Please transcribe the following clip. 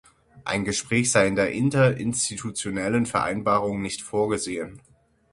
Ein Gespräch sei in der Interinstitutionellen Vereinbarung nicht vorgesehen.